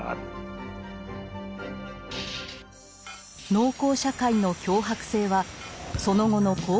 農耕社会の強迫性はその後の工業社会